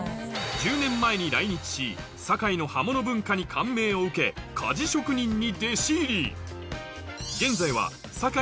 １０年前に来日し堺の刃物文化に感銘を受け鍛冶職人に弟子入り！